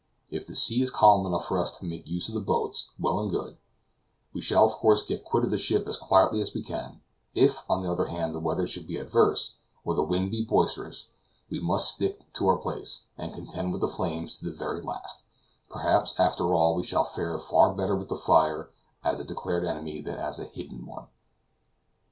If the sea is calm enough for us to make use of the boats, well and good; we shall of course get quit of the ship as quietly as we can; if, on the other hand the weather should be adverse, or the wind be boisterous, we must stick to our place, and contend with the flames to the very last; perhaps, after all, we shall fare far better with the fire as a declared enemy than as a hidden one."